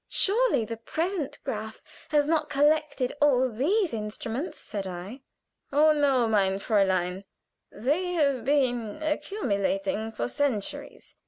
"Surely the present Graf has not collected all these instruments!" said I. "Oh, no, mein Fräulein; they have been accumulating for centuries.